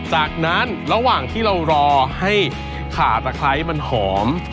จากนั้นระหว่างที่เรารอให้ขาตะไคร้มันหอม